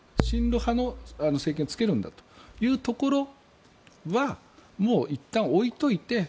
親ロ派の政権を作るんだというところはもういったん置いておいて。